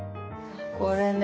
これね